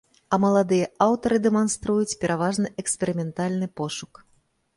А маладыя аўтары дэманструюць пераважна эксперыментальны пошук.